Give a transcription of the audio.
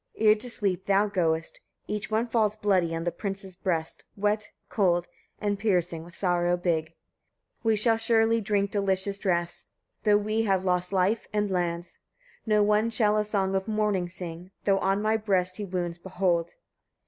ere to sleep thou goest; each one falls bloody on the prince's breast, wet, cold, and piercing, with sorrow big. 44. We shall surely drink delicious draughts, though we have lost life and lands. No one shall a song of mourning sing, though on my breast he wounds behold.